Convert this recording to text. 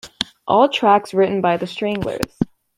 All tracks written by the Stranglers.